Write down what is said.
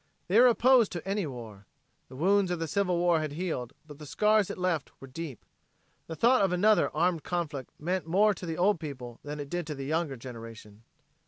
They were opposed to any war. The wounds of the Civil War had healed, but the scars it left were deep. The thought of another armed conflict meant more to the old people than it did to the younger generation.